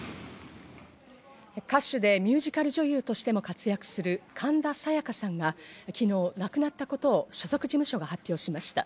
歌手でミュージカル女優としても活躍する神田沙也加さんが昨日、亡くなったことを所属事務所が発表しました。